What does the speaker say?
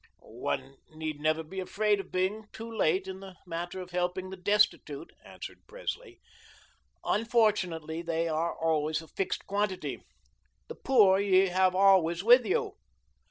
"One need never be afraid of being 'too late' in the matter of helping the destitute," answered Presley. "Unfortunately, they are always a fixed quantity. 'The poor ye have always with you.'"